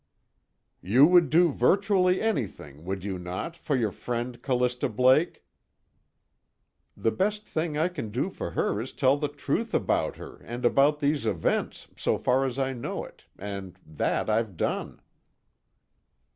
"You would do virtually anything, would you not, for your friend Callista Blake?" "The best thing I can do for her is tell the truth about her and about these events, so far as I know it, and that I've done."